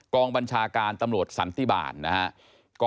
กองบัญชาการตำรวจสันติบาลนะครับ